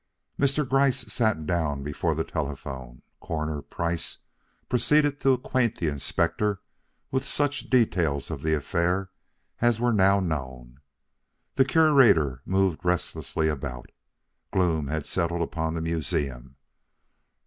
Mr. Gryce sat down before the telephone. Coroner Price proceeded to acquaint the Inspector with such details of the affair as were now known. The Curator moved restlessly about. Gloom had settled upon the museum.